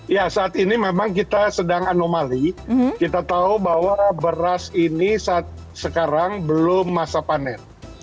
ya saat ini memang kita sedang anomali kita tahu bahwa beras ini sekarang belum masa panen